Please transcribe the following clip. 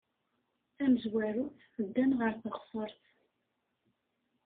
Tamezwarut, ddan ɣer teɣsert.